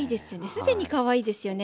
すでにかわいいですよね。